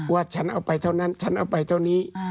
ว่าฉันเอาไปเท่านั้นฉันเอาไปเท่านี้